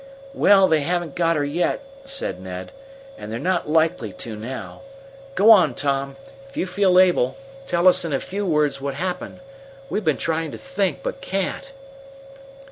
"Well, they haven't got her yet," said Ned, "and they're not likely to now. Go on, Tom, if you feel able tell us in a few words what happened. We've been trying to think, but can't."